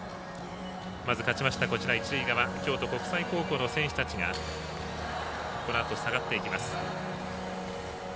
まず勝ちました、一塁側京都国際高校の選手たちが下がっていきます。